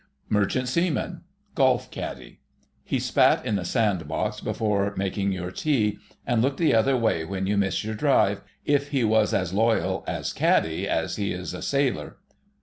Merchant Seaman—Golf Caddie. He spat in the sand box before making your tee, and looked the other way when you miss your drive, if he was as loyal as caddie as he is a sailor.